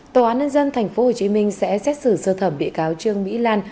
tòa án nhân dân tp hcm sẽ xét xử sơ thẩm bị cáo trương mỹ lan